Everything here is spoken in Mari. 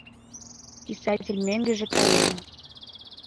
Писатель мӧҥгыжӧ каен.